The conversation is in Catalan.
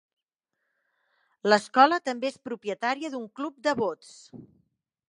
L'escola també és propietària d'un club de bots.